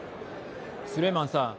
スレイマンさん。